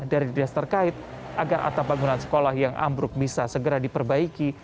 dari dinas terkait agar atap bangunan sekolah yang ambruk bisa segera diperbaiki